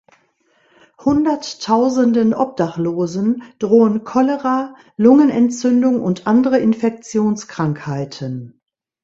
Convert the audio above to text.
Hunderttausenden Obdachlosen drohen Cholera, Lungenentzündung und andere Infektionskrankheiten.